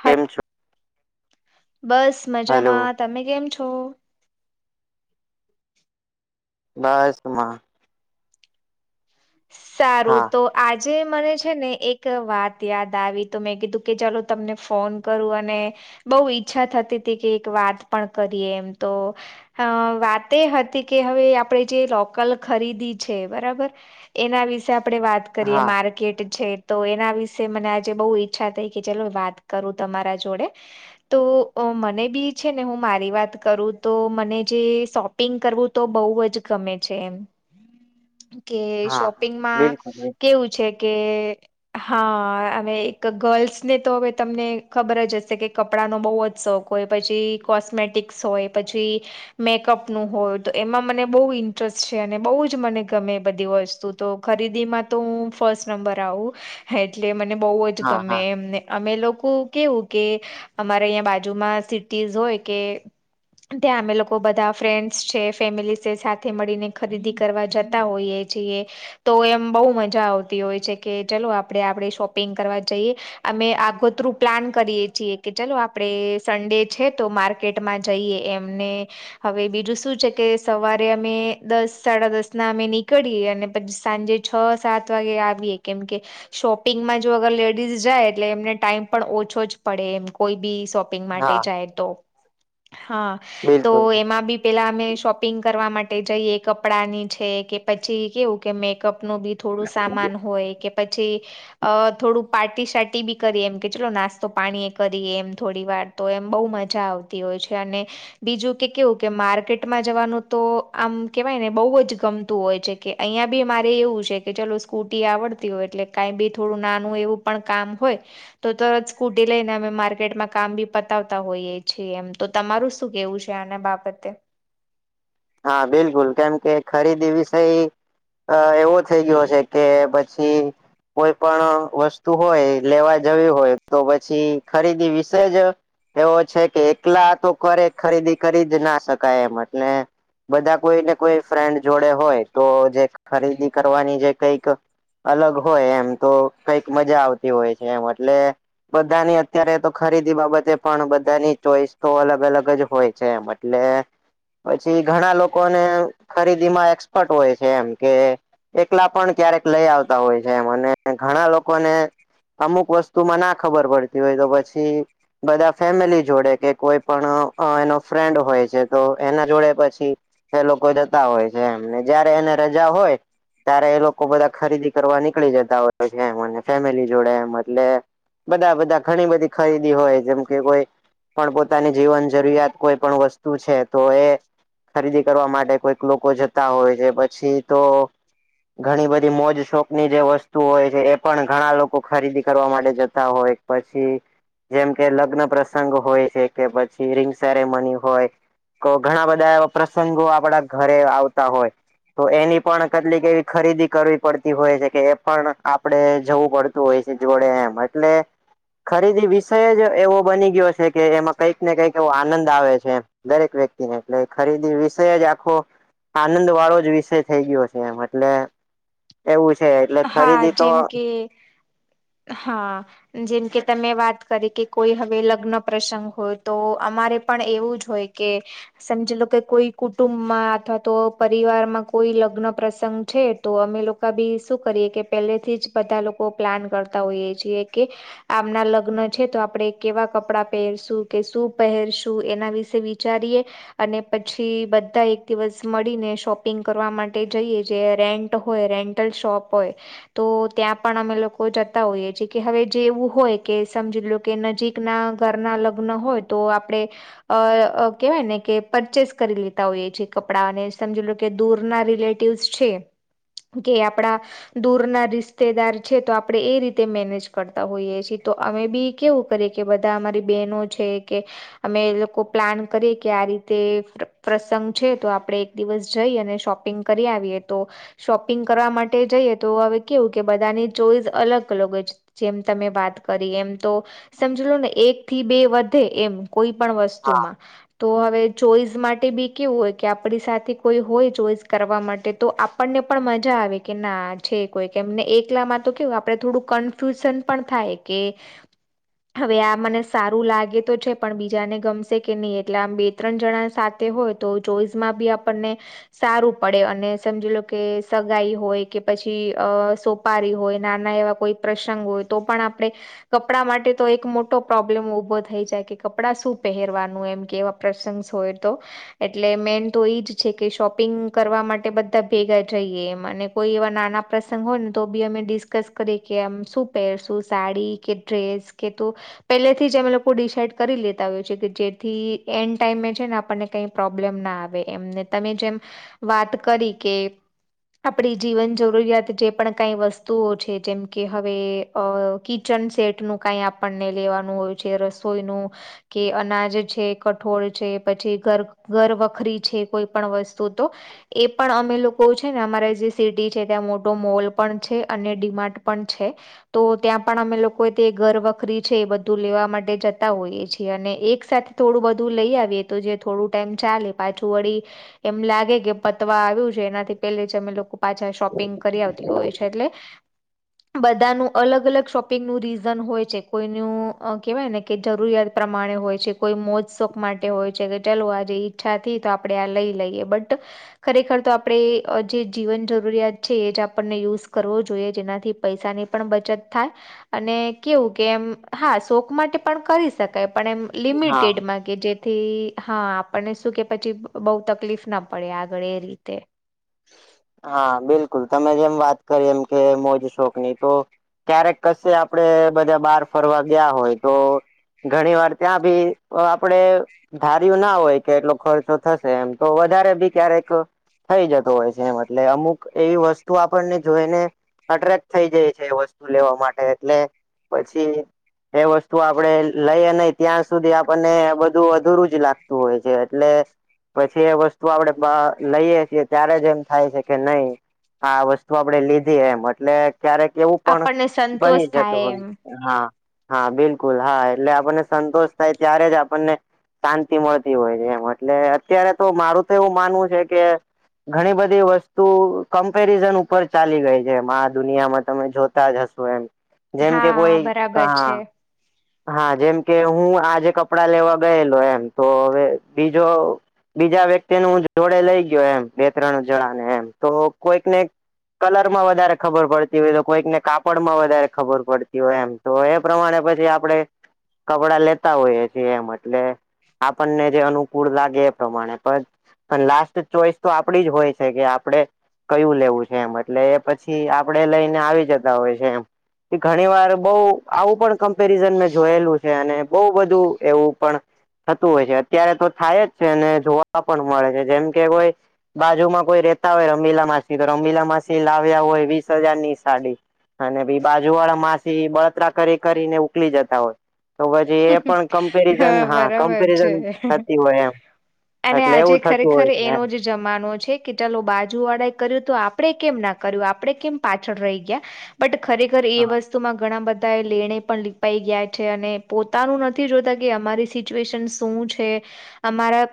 હા કેમ છો બસ હેલો મજામાં તમે કેમ છો નાઇસમાં સારું હા તો આજે મને છે ને એક વાત યાદ આવી તો મેં કીધું કે ચાલો તમને ફોન કરું અને બઉ ઈચ્છા થતી હતી કે એક વાત પણ કરીએ એમ તો અ વાત એ હતી કે હવે આપણેે જે લોકલ ખરીદી છે બરાબર એના વિશેે આપડે વાત કરીએ હા માર્ક ટ છે તો એના વિશે મને આજે બહુ ઈચ્છા થઈ કે ચલો વાત કરું તમારા જોડે તો મને બી છે ને હું મારી વાત કરું તો મને જે શોપ પિંગ કરવું તો બહુ જ ગમે છે એમ કે હા શોપિંગમાં બિલકુલ કેવું છે કે હા અને એક ગર્લ્સને તો હવે તમને ખબર જ હશે કે કપડાંનો બહુ જ શોખ કોય પછી કોસ્મેટિક્સ હોય પછી મેકઅપ નું હોય તો એમાં મને બહુ ઇન્ટરેસ્ટ છે અને બઉ જ મને ગમે બધી વસ્તુ તો ખરીદીમાં તો હું ફર્સ્ટ નંબર આવું એટલે મને બહુ જ હા ગમે હા એમને અમે લોકો કેવું કે અમારે અહીં બાજુમાં સિટીઝ હોય કે ત્યાં અમે લોકો બધા ફ્રેન્ડ્સ છે ફેમિલી છે સાથે મળીને ખરીદી કરવા જતા હોઈએ જઈએ તો એમ બહુ મજા આવતી હોય છે કે ચલો આપડે આપડી શોપિંગ કરવા જઈએ અમે આગોતરું પ્લાન કરીએ છીએ કે ચલો આપણે સન્ડે છે તો માર માર્કેટમાં જઈએ એમને હવે બીજું શું છે કે સવારે અમે દસ સાડા દસ ના અમે નીકળીએ અને પછી સાંજે છ સાત વાગે આવીએ કેમ કે શોપિંગમાં જો અગર લેડીઝ જાય એટલે એમને ટાઈમ પણ ઓછો જ પડે એમ કોઈ બી શોપ પીગ માટે હા જાય તો હા તો બિલકુલ એમાં બી પૅલા અમે શોપિંગ કરવા માટે જઈએ કપડાં ની છે કે પછી કેવું કે મેકઅપનું બી થોડું સામાન હોય કે પછી અ થોડું પાર્ટી સાર્ટી બી કરીએ એમ કે ચલો નાસ્તો પાણી એ કરીએ એમ થોડી વાર તો એમ બહુ મજા આવતી હોય છે અને બીજું કે કેવું કે માર્કેટમાં જવાનું તો આમ કેવાય ને બઉ જ ગમતું હોય છે કે અહિયા બી મારે એવું છે કે ચલો સ્કૂટી આવડતી હોય એટલે કાંઈ બી થોડું નાનું એવું પણ કામ હોય તો તરત સ્કૂટી લઈને અમે માર્કેટમાં કામ બી પતાવતા હોઈએ છીએ એમ તો તમારું શું કેવું છે આના બાબતે હા બિલકુલ કેમ કે ખરીદી વિષય અ એવો થઈ ગયો છે કે પછી કોઈ પણ વસ્તુ હોય લેવા જવી હોય તો પછી ખરીદી વિશે જ એવો છે કે એકલા તો કરે ખરીદી કરી જ ના શકાય એમ એટલે બધા કોઈ ને કોઈ ફ્રેન્ડ જોડે હોય તો જે ખરીદી કરવાની જે કઈક અલગ હોય એમ તો કઈક મજા આવતી હોય છે એમ એટલે બધાની અત્યારે તો ખરીદી બાબતે પણ બધાની ચોઈસ તો અલગ અલગ જ હોય છે એ માટે એટલે પછી ઘણા લોકોને ખરીદી માં એક્સપર્ટ હોય છે એમ કે એકલા પણ કયારેક લઈ આવતા હોય છે એમ અને ઘણા લોકોને અમુક વસ્તુમાં ના ખબર પડતી હોય તો પછી બધા ફેમિલી જોડે કે કોઈ પણ એનો ફ્રેન્ડ હોય છે તો એના જોડે પછી એ લોકો જતા હોય છે એમને જયારે એને રજા હોય ત્યારે એ લોકો બધા ખરીદી કરવા નીકળી જતા હોય છે એમ ફેમિલી જોડે એમ એટલે બધા બધા ઘણી બધી ખરીદી હોય જેમ કે કોઈ પણ પોતાની જીવન જરૂરિયાત કોઈ પણ વસ્તુ છે તો એ ખરીદી કરવા માટે કોઈક લોકો જતા હોય છે પછી તો ઘણી બધી મોજ શોક ની જે વસ્તુ હોય છે એ પણ ઘણા લોકો ખરીદી કરવા માટે જતા હોય પછી જેમ કે લગ્ન પ્રસંગ હોય છે કે પછી રિંગ સેરેમની હોય તો ઘણા બધા એવા પ્રસંગો આપડા ઘરે આવતા હોય તો એની પણ કેટલીક એવી ખરીદી કરવી પડતી હોય છે કે એ પણ આપડે જવું પડત તો હોય છે જોડે એમ એટલે ખરીદી વિષય જ એવો બની ગયો છે કે એમાં કઈક ને કઈક એવો આનંદ આવે છે દરેક વ્યક્તિને એટલે ખરીદી વિષય જ આખો આનંદ વાળો જ વિષય થઈ ગયો છે એમ એટલે એવું છે એટલે ખરીદી તો એક હા જેમકે તમે વાત કરી કે કોઈ હવે લગ્ન પ્રસંગ હોય તો અમારે પણ એવું જ હોય કે સમજી લો કે કોઈ કુટુંબમાં અથવા તો પરિવારમાં કોઈ લગ્ન પ્રસંગ છે તો અમે લોકો બી શું કરીએ કે પહેલેથી જ બધા લોકો પ્લાન કરતા હોઈએ છીએ કે આમના લગ્ન છે તો આપડણે કેવા કપડાં પહેરશું કે શું પહેરશું એના વિશે વિ વિચારીએ અને પછી બધા એક દિવસ મળીને શોપિંગ કરવા માટે જઈએ જે રેન્ટ હોય રેન્ટ શોપ હોય તો ત્યાં પણ અમે લોકો જતા હોઈએ છીએ કે હવે જે એવું હોય કે સમજી લો કે નજીક ના ઘર ના લગ્ન હોય તો આપણે અ કહેવાય ને કે પરચેસ કરી લેતા હોઈએ છે કપડાં અને સમજી લો કે દૂરના રિલેટ છે કે આપડા દૂર ના રિશ્તેદાર છે તો આપણે એ રીતે મેનેજ કરતા હોઈએ છીએ તો અમે બી કેવું કરીએ કે બધા અમારી બેહેનો છે કે અમે એ લોકો પ્લાન કરીએ કે આ રીતે પ્રસંગ છે તો આપણે દિવસ જઈ અને શોપિંગ કરી આવીએ તો શોપિંગ કરવા માટે જઈએ તો હવે કેવું કે બધાની ચોઈસ અલગ અલગ હોય છે જેમ તમે વાત કરી એમ તો સમજ લો ને એક થી બે વધે એમ કોઈ પણ હા વસ્તુમાં તો હવે ચોઈસ માટે બી કેવું હોય કે આપણી સાથે કોઈ હોય ચોઈસ કરવા માટે તો આપણને પણ મજા આવે કે ના. છે કોઈ કે એમને એકલામાં તો કેવું આપડ થોડું કન્ફ્યુઝન પણ થાય કે. [inaudible] હવે આ મને સારું લાગે તો છે પણ બીજાને ગમશે કે નહીં એટલે આમ બે ત્રણ જણા સાથે હોય તો જોઈસમાં બી આપણને સારું પડે અને સમજી લો કે સગાઈ હોય કે પછી અ સોપારી હોય નાના એવા કોઈ પ્રસંગ હોય તો પણ આપણે કપડા માટે તો એક મોટો પ્રોબ્લેમ ઉભો થઈ જાય કે કપડા શું પહેરવાનું એમ કેવા પ્રસંગસ હોય તો એટલે મેન તો એજ છે કે શોપિંગ કરવા માટે બધા ભેગા જઈએ એ અને કોઈ એ નાના પ્રસંગ હોય ને તો બી અમે ડિસ્કસ કરીએ કે આમ શું પહેરશું સાડી કે ડ્રેસ કે ત પેલેથી જ અમે લોકો ડિસાઈડ કરી લેતા હોય છે કે જેથી એન્ડ ટાઈમે છે ને આપણને ક પ્રોબ્લેમ ના આવે એમને તમે જેમ વાત કરી કે આપણી જીવન, જરૂરિયાત જે પણ કઈ વસ્તુઓ છે જેમ કે હવે કિચન સેટ નું કઈ આપણને લેવાનું હોય છે રસોઈનું કે અનાજ છે કઠોળ છે પછી ઘર ઘર વખરી છે કોઈ પણ વસ્તુ તો એ પણ અમે લોકો છે ને અમારા જે છે ત્યાં મોટો મોલ પણ છે અને ડીમાર્ટ પણ છે. તો ત્યાં પણ અમે લોકો તે ઘર વખરી છે એ બધું લેવા માટે જતા હોઈએ છીએ અને એક સાથે થોડું બધું લઈ આવીએ તો જે થોડું ટાઈમ ચાલે પાછું વળી એમ લાગે કે પતવા આવ્યું છે એનાથી પેલે જે અમે લોકો પાછા શોપિંગ કરી આવતી હોય છે એટલે બધા નું અલગ અલગ શોપિંગ નું રીઝન હોય છે કોઈનું કેહેવાય ને-' કે જરૂરિયાત પ્રમાણે હોય છે કોઈ મોજ શોક માટે હોય છે કે ચાલ આજે ઈચ્છા આપણે આ લઈ લઈએ બટ ખરેખર તો આપણે જે જીવન. જરૂરિયાત છે એ જ આપણને યુઝ કરવો જોઈએ જેનાથી પૈસાની પણ બચત થાય. અને કેવું કે એમ હા શોક માટે પણ કરી શકાય પણ એમ હા લિમિટેડમાં કે જેથી હા આપણને શું કે પછી બઉ તકલીફ ના પડે આગળ એ રીતે. હા બિલકુલ તમે જેમ વાત કરી એમ કે મોજ શોક ની તો ક્યારેક કશે આપડે બધા બહાર ફરવા ગયા હોય તો ઘણી વાર ત્યાં ભી આપડે ધાર્યું ના હોય કે એટલો ખર્ચો થશે એમ તો વધારે ભી ક્યારેક થઈ જતો હોય છે એમ એટલે અમુક એવી વસ્તુ આપણને જોઈને અટ્રેક્ટ થઈ જાય છે એ વસ્તુ લેવા માટે એટલે પછી એ વસ્તુ આપણેે લઈએ નહ ત્યાં સુધી આપણને બધું અધુરું જ લાગતું હોય છે એટલે પછી એ વસ્તુ આપડે લઈએ છીએ ત્યારે જ એમ થાય છે. કે નહી આ વસ્તુ આપણેે લીધી એમ એટલે ક્યારેક એવું પણ આપણને બની સંતોષ થાય જતું હય. એમ હા હા બિલકુલ હા એટલે આપણને સંતોષ થાય ત્યારે જ આપણને શાંતિ મળતી હોય છે એમ એટલે અત્યારે તો મારું તો એવું માનવું છે કે ઘણી બધી વસ્ત, તું કમ્પેરિઝન ઉપર ચાલી ગઈ છે એમ આ દુનિયામાં તમે જોતા જ હશો એ જેમ કે હા કોઈ બરાબર હા. છે હા જેમ કે હું આજે કપડા લેવા ગયેલો એમ તો હવે બીજો બીજા વ્યક્તિ ન હું જોડે લઈ ગયો એમ બે ત્રણ જડા ને એમ તો કોઈકને કલર માં વધારે ખબર પડતી હોય તો કોઈકને કાપડમાં વધારે ખબર પડતી હોય એમ તો એ પ્રમાણે પછી આપણે કપડા લેતા હોઈએ છીએ એમ એટલે-' આપણને જે અનુકૂળ લાગે એ પ્રમાણે પણ પણ લાસ્ટ ચોઈસ તો આપડી જ હોય છે કે આપડે કયું લેવું છે એમ એટલે પછી આપડે લઈને આવી જતા હોય છે એમ ઘણી વાર બહ આવું પણ મે જોયેલું છે અને બહ બધું એવું પણ થતું હોય છે અત્યારે તો થાય જ છે ને જોવા પણ મળે છે જેમ કે કોઈ બાજુમાં કોઈ રેતા હોય રમીલા માસી તો રમીલા માસી લાવ્યા હોય વીસ હજારની સાડી અને બી બાજુ વાળા માસી બળતરા કરી કરીને ઉકલી જતા હોય. તો પછી એ પણ હા કમ્પેરિઝન હા બરાબર છે. કમ્પેરિઝન થતી હોય એમ, અને એટલે આજે એવું થતું ખરેખર હોય છે. એનો જ જમાનો છે કે ચાલો બાજુ વાળાએ કર્યું તો આપણેે કેમ ના કર્યું આપણે કેમ પાછળ રહી ગયા. બટ ખરેખર એ હા વસ્તુમાં ઘણા બધા એ લેણે પણ લીપાઈ ગયા છે અને પોતાનું નથી જોતા કે અમારી સિચ્યુએશન શું છે અમારા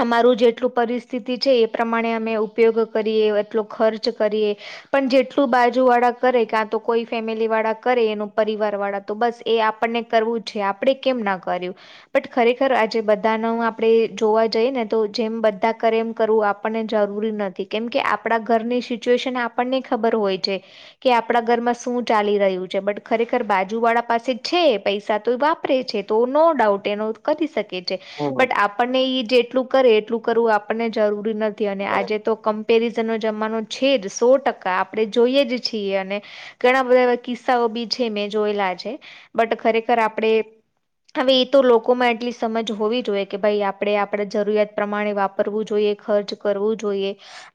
અમારું જેટલું પરિસ્થિતિ છે એ પ્રમાણે અમે ઉપયોગ કરીએ એટલો ખર્ચ કરીએ પણ જેટલું બાજુ વાળા કરે ક્યાં તો કોઈ ફેમિલી વાળા કરે એનું પરિવાર વાળા તો બસ એ આપણને કરવું છે આપડણે કેમ ના કર્યું. બટ ખરેખર આજે બધા ન આપણે જોવા જઈએ ને તો જેમ બધા કરે એમ કરવું. આપને જરૂરી નથી કેમકે આપણા ઘરની સિચ્યુએશન આપણને ખબર હોય છે. કે આપણા ઘરમાં શું ચાલી રહ્યું છે. બટ ખરેખર બાજુ વાળા પાસે છે. પૈસા તો વાપરે છે તો નો ડાઉટ એનો કરી શકે છે હમ બટ આપણને ઈ જેટલું કરે એટલું કરવું આપણને જરૂરી નથી અને આજે તો કમ્પેરિઝનનો જમાનો છેદ સો ટકા આપણે જોઈએ જ છીએ અને ઘણા બધા કિસ્સાઓ બી છે મેં જોયેલા છે બટ ખરેખર આપડે હવે એ તો લોકોમાં એટલી સમજ હોવી જોઈએ કે ભાઈ આપણે આપણા જરૂરિયાત પ્રમાણે વાપ કરવું જોઈએ ખર્ચ કરવું જોઈએ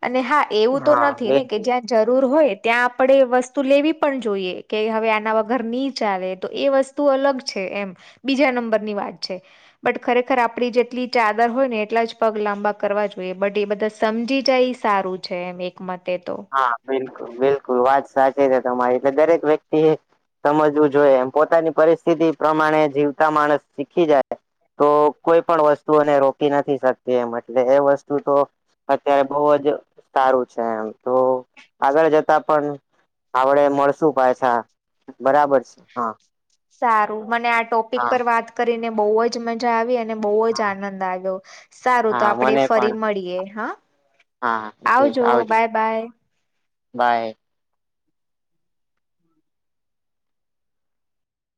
અને હા એવું તો હા નથી બે ને કે જયા જરૂર હોય ત્યાં આપડે વસ્તુ લેવી પણ જોઈએ કે હવે આના વગર ની ચાલે તો એ વસ તુ અલગ છે એમ બીજા નંબરની વાત છે. બટ ખરેખર આપડી જેટલી ચાદર હોય ને એટલા જ પગ લાંબા કરવા જોઈએ બટ એ બધા સમજી જાય. સારું છે એમ એક મતે તો હા, બિલકુલ બિલકુલ વાત સાચી છે તમારી એટલે દરેક વ્યક્તિએ સમજવું જોઈએ એમ પોતાની પરિસ્થિતિ પ્રમાણે જીવતા માણસ શીખી જાય? તો કોઈ પણ વસ્તુ એને રોકી નથી શકતી એમ એટલે એ વસ્તુ તો અત્યારે બોજ સારું છે એમ. તો આગળ જતા પણ આવડે મળશું પાછા. બરાબર છે હા સારું, મને આ ટોપિક હા પર વાત કરીને બોજ મજા આવી બોજ આનંદ આવ્યો સારું તો હા આપણેે મને ફરી પણ મળીએ હા. હા આવજો બાય બાય. બાય.